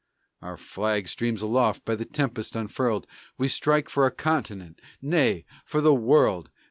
Our flag streams aloft by the tempest unfurled! We strike for a Continent; nay, for the World!